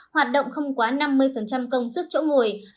hoạt động không quá năm mươi công sức chỗ ngồi